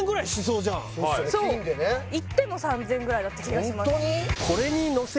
そういっても３０００円ぐらいだった気がします